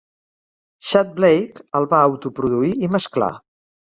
Tchad Blake el va autoproduir i mesclar.